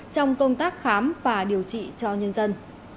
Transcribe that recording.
trong công tác khám và điều trị cho nhân dân